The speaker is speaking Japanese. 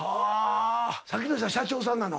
さっきの人は社長さんなの？